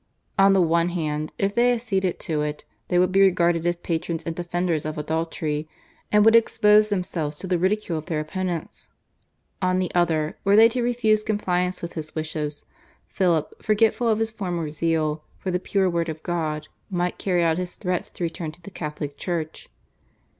On the one hand, if they acceded to it they would be regarded as patrons and defenders of adultery and would expose themselves to the ridicule of their opponents; on the other, were they to refuse compliance with his wishes, Philip, forgetful of his former zeal for the pure word of God, might carry out his threats to return to the Catholic Church.